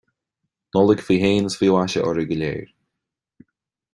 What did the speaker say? Nollaig faoi shéan agus faoi mhaise oraibh go léir